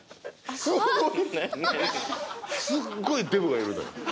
すっごいすっごいデブがいるのよ。